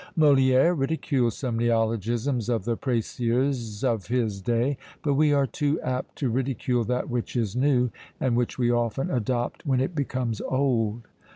Molière ridiculed some neologisms of the Précieuses of his day; but we are too apt to ridicule that which is new, and which we often adopt when it becomes old.